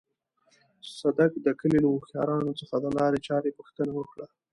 صدک د کلي له هوښيارانو څخه د لارې چارې پوښتنه وکړه.